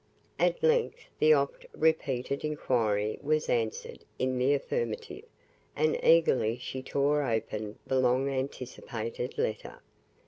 At length the oft repeated inquiry was answered in the affirmative, and eagerly she tore open the long anticipated letter.